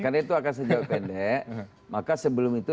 karena itu akan sejauh pendek maka sebelum itu